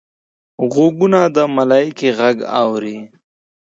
غوږونه د ملایکې غږ اوري